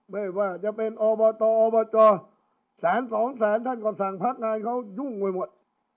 ไม่ว่าจะเป็นอบตอบจแสนสองแสนท่านก็สั่งพักงานเขายุ่งไปหมด